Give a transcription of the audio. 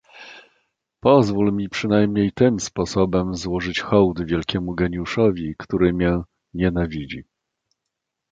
"Pozwól mi przynajmniej tym sposobem złożyć hołd wielkiemu geniuszowi, który mię nienawidzi."